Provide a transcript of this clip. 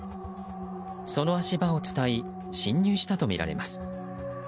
その足場を伝い侵入したとみられます。